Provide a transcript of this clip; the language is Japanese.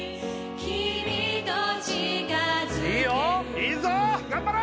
いいぞ頑張れ！